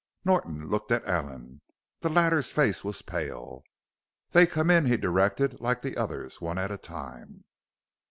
Norton looked at Allen. The latter's face was pale. "They come in," he directed, "like the others one at a time."